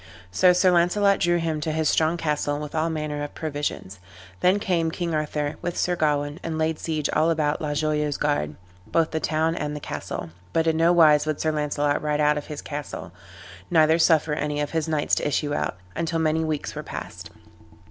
So Sir Launcelot drew him to his strong castle, with all manner of provisions. Then came King Arthur with Sir Gawain, and laid siege all about La Joyeuse Garde, both the town and the castle; but in no wise would Sir Launcelot ride out of his castle, neither suffer any of his knights to issue out, until many weeks were past.